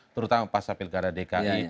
terutama pasca pilkada dki